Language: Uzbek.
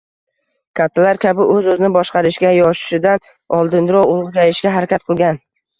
Kattalar kabi o’z-o’zini boshqarishga, yoshidan oldinroq ulg’ayishga harakat qilgan